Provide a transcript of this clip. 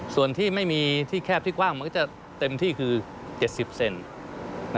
ส่วนที่ไม่มีที่แคบที่กว้างมันก็จะเต็มที่คือ๗๐เซน